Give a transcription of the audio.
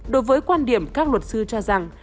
đối với quan điểm các luật sư cho rằng